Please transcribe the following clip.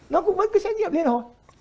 nó cũng vẫn cứ xét nghiệm lên rồi